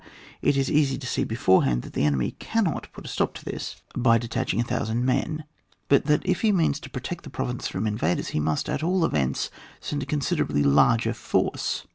it is easy to see beforehand tiiat the enemy cannot put a stop to this by de CHAP. XX.] DIVERSION. 88 taching 1000 men, bat that if he means to protect the province from invaders, he must at all events send a considerably larger force.